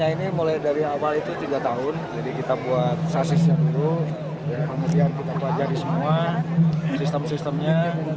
ini mulai dari awal itu tiga tahun jadi kita buat sasisnya dulu kemudian kita pelajari semua sistem sistemnya